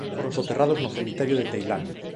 Foron soterrados no cemiterio de Teilán.